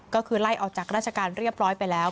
ก็คือไล่ออกจากราชการเรียบร้อยไปแล้ว